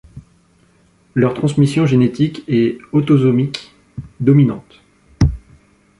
Leur transmission génétique est autosomique dominante.